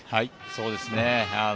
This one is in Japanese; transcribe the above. そうですね。